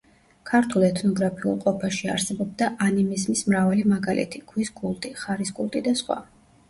ქართულ ეთნოგრაფიულ ყოფაში არსებობდა ანიმიზმის მრავალი მაგალითი: ქვის კულტი, ხარის კულტი და სხვა.